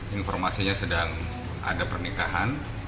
informasinya sedang ada pernikahan